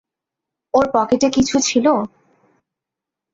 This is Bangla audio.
ওর পকেটে কিছু ছিল?